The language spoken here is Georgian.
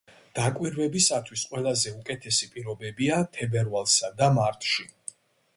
დაკვირვებისათვის ყველაზე უკეთესი პირობებია თებერვალსა და მარტში.